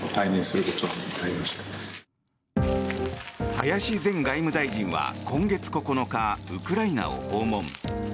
林前外務大臣は今月９日ウクライナを訪問。